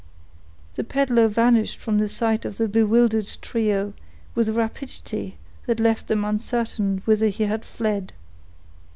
The peddler vanished from the sight of the bewildered trio, with a rapidity that left them uncertain whither he had fled.